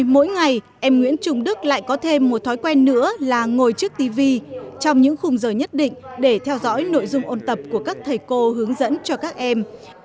mỗi ngày em nguyễn trung đức lại có thêm một thói quen nữa là ngồi trước tv trong những khung giờ nhất định để theo dõi nội dung ôn tập của các thầy cô hướng dẫn cho các em